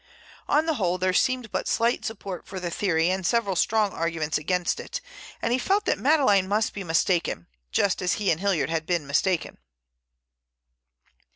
On the whole there seemed but slight support for the theory and several strong arguments against it, and he felt that Madeleine must be mistaken, just as he and Hilliard had been mistaken.